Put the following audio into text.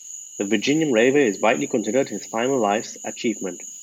The Virginian Railway is widely considered his final life's achievement.